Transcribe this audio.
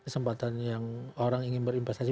kesempatan yang orang ingin berinvestasi